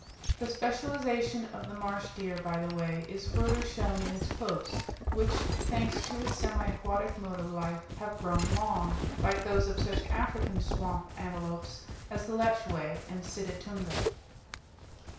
The specialization of the marsh deer, by the way, is further shown in its hoofs, which, thanks to its semi aquatic mode of life, have grown long, like those of such African swamp antelopes as the lechwe and situtunga.